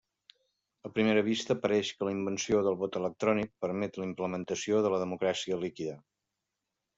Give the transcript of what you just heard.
A primera vista, pareix que la invenció del vot electrònic permet la implementació de la democràcia líquida.